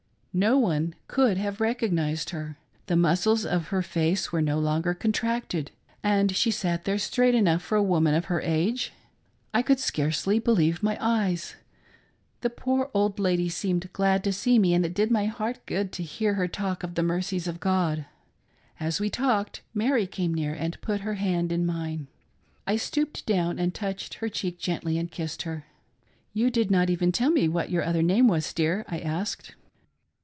No one could have recognised her. The muscles of her face were, no longer contracted, and she sat there straight enough for a woman of her age. I could scarcely believe my eyes. The poor old lady seemed glad to see me, and it did my heart good to hear her talk of the mercies of God. As we talked, Mary came near and put her hand in mine. I stooped down and touched her cheek gently, and kissed her. " You did not even tell me what your other name was, dear ?" I asked.